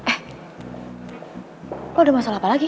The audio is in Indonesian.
eh lo udah masalah apa lagi